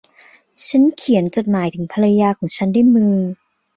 ฉันเขียนจดหมายถึงภรรยาของฉันด้วยมือ